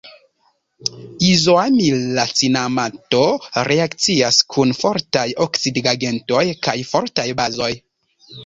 Izoamila cinamato reakcias kun fortaj oksidigagentoj kaj fortaj bazoj.